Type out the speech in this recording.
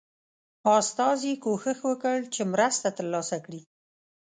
استازي کوښښ وکړ چې مرسته ترلاسه کړي.